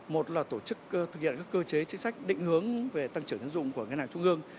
một là tổ chức thực hiện các cơ chế chính sách định hướng về tăng trưởng dân dụng của ngân hàng trung ương